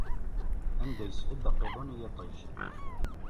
Anda yesbedd aqiḍun i yiṭij.